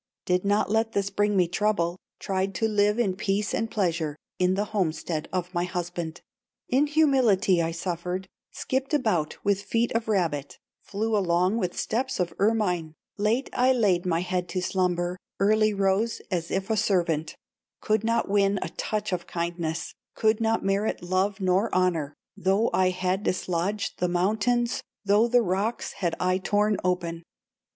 Did not let this bring me trouble, Tried to live in peace and pleasure, In the homestead of my husband; In humility I suffered, Skipped about with feet of rabbit, Flew along with steps of ermine, Late I laid my head to slumber, Early rose as if a servant, Could not win a touch of kindness, Could not merit love nor honor, Though I had dislodged the mountains, Though the rocks had I torn open.